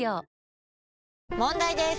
問題です！